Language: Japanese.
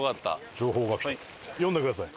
情報が読んでください。